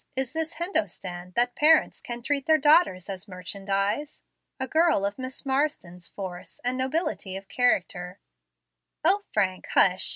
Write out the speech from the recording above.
Is this Hindostan, that parents can treat their daughters as merchandise? A girl of Miss Marsden's force and nobility of character " "O Frank, hush!